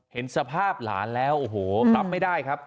เห็นสภาพหลานแล้วโอ้โหรับไม่ได้ครับ